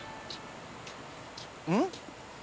うん？